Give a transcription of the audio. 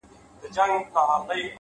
• نه د مرګ یې چاته پته لګېدله,